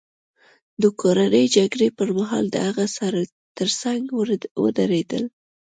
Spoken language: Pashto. د کورنۍ جګړې پرمهال د هغه ترڅنګ ودرېدل.